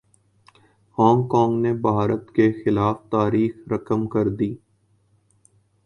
Hong Kong نے بھارت کے خلاف تاریخ رقم کردی